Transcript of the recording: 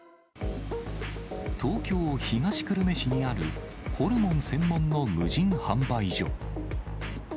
東京・東久留米市にあるホルモン専門の無人販売所。